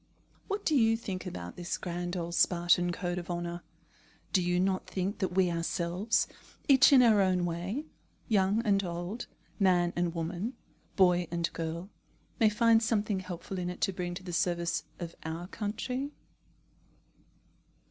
What do you think about this grand old Spartan code of honour? Do you not think that we ourselves, each in our own way, young and old, man and woman, boy and girl, may find something helpful in it to bring to the service of our country?